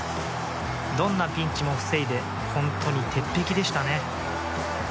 どんなピンチも防いで本当に鉄壁でしたね。